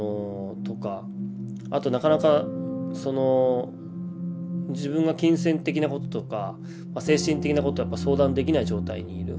あとなかなかその自分が金銭的なこととか精神的なことは相談できない状態にいる。